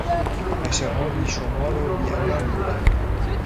پشهها بیشمار و بیامان بودند.